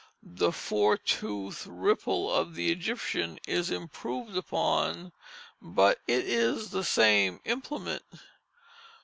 The four tooth ripple of the Egyptian is improved upon, but it is the same implement.